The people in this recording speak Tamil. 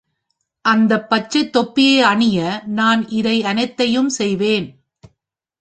அந்த பச்சை தொப்பியை அணிய நான் இதை அனைத்தையும் செய்வேன்.